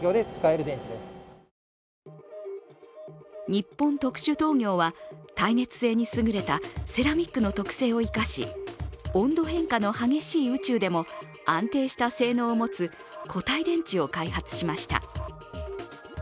日本特殊陶業は耐熱性に優れたセラミックの特性を生かし、温度変化の激しい宇宙でも安定した性能を持つ固体電池を開発しました。